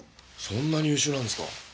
そんなに優秀なんですか？